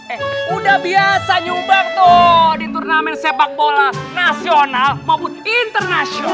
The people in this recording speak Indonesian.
eh udah biasa nyumbang tuh di turnamen sepak bola nasional maupun internasional